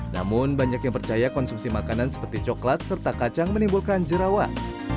namun banyak yang percaya konsumsi makanan seperti coklat serta kacang menimbulkan jerawat